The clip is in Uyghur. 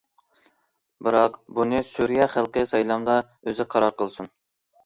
بىراق، بۇنى سۈرىيە خەلقى سايلامدا ئۆزى قارار قىلسۇن.